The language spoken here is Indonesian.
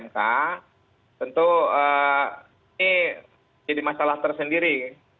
tentu ini jadi masalah tersendiri